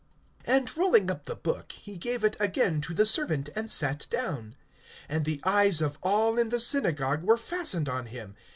(20)And rolling up the book he gave it again to the servant, and sat down. And the eyes of all in the synagogue were fastened on him.